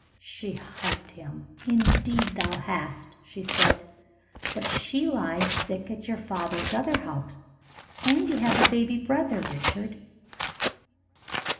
She hugged him. "Indeed thou hast," she said, "but she lies sick at your father's other house. And you have a baby brother, Richard."